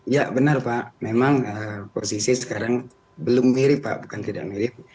ya benar pak memang posisi sekarang belum mirip pak bukan tidak mirip